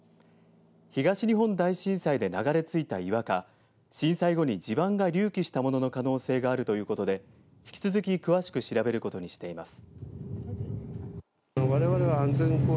東日本大震災で流れ着いた岩が震災後に地盤が隆起したものの可能性があるということで引き続き詳しく調べることにしています。